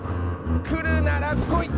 来るなら来い！